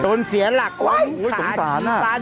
ต้นเสียหลักของขาชีฟ้าดูนะฮะตรงนี้ตรงนี้ตรงนี้สงสารน้ำนะครับ